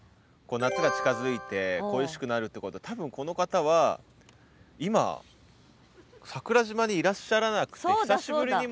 夏が近づいて恋しくなるってことは多分この方は今桜島にいらっしゃらなくて。